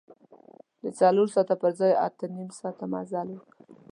د څلور ساعته پر ځای اته نیم ساعته مزل وکړ.